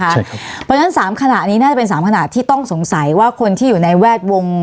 เพราะฉะนั้น๓ขณะนี้น่าจะเป็น๓ขณะที่ต้องสงสัยว่าคนที่อยู่ในแวดวง